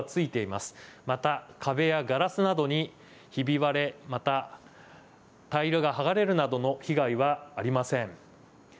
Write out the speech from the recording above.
また壁やガラスなどにひび割れ、また、タイルが剥がれるなどの被害はありません。